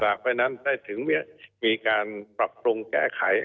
เพราะฉะนั้นได้ถึงมีการปรับปรุงแก้ไข